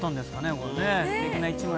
これね。